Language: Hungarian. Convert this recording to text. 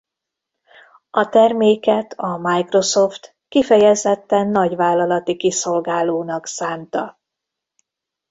A terméket a Microsoft kifejezetten nagyvállalati kiszolgálónak szánta.